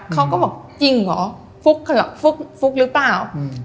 เขาก็บอกจริงเหรอฟุ๊กเหรอฟุ๊กฟุ๊กหรือเปล่าอืม